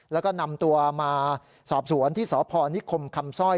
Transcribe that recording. แล้วก็นำตัวมาสอบสวนที่สพนิคมคำสร้อย